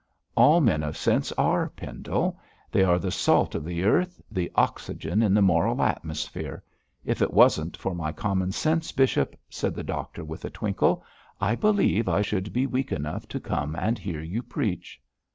'All men of sense are, Pendle. They are the salt of the earth, the oxygen in the moral atmosphere. If it wasn't for my common sense, bishop,' said the doctor, with a twinkle, 'I believe I should be weak enough to come and hear you preach.'